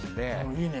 いいね。